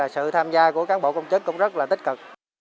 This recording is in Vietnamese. sự tham gia của cán bộ công chức cũng rất là tích cực